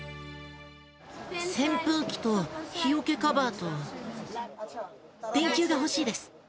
扇風機と日よけカバーと、電球が欲しいです。